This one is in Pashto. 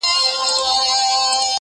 ډېر دردناک حالت جوړ